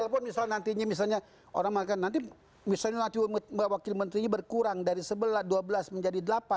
walaupun misalnya nantinya misalnya orang mengatakan nanti misalnya nanti wakil menteri ini berkurang dari dua belas menjadi delapan